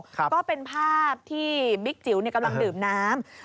ก็เป็นภาพที่บิ๊กจิ๋วกำลังดื่มน้ำ